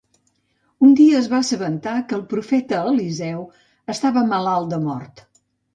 Un dia s'assabentà que el profeta Eliseu estava malalt de mort.